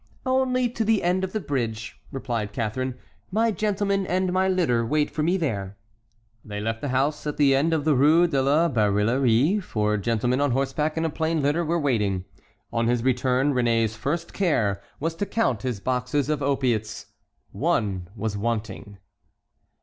"Only to the end of the bridge," replied Catharine; "my gentlemen and my litter wait for me there." They left the house, and at the end of the Rue de la Barillerie four gentlemen on horseback and a plain litter were waiting. On his return Réné's first care was to count his boxes of opiates. One was wanting.